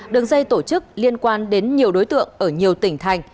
đường dây tổ chức liên quan đến nhiều đối tượng ở nhiều tỉnh thành